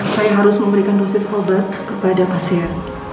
saya harus memberikan dosis obat kepada pasien